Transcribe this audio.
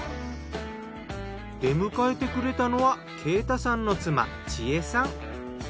出迎えてくれたのは慶太さんの妻智恵さん。